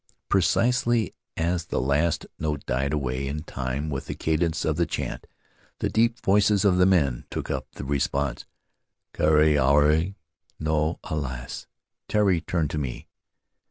Precisely as the last note died away, in time with the cadence of the chant, the deep voices of the men took up the response, "Kare, aue!" ("No, alas!") Tari turned to me.